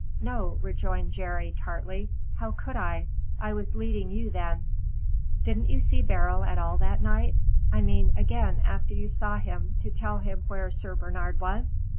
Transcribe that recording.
"No," rejoined Jerry, tartly. "How could I? I was leading you then." "Didn't you see Beryl at all that night I mean again after you saw him to tell him where Sir Bernard was?"